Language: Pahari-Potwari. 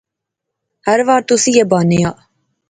ہر وار تس ایئی بانے آ